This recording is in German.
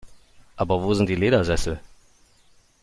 Aber wo sind die Ledersessel?